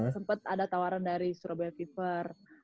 sempet ada tawaran dari surabaya fever